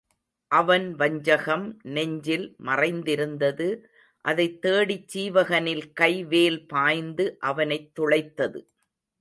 அவன் வஞ்சகம் நெஞ்சில் மறைந்திருந்தது அதைத் தேடிச் சீவகனில் கை வேல் பாய்ந்து அவனைத் துளைத்தது.